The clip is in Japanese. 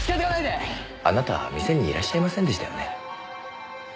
あなたは店にいらっしゃいませんでしたよね？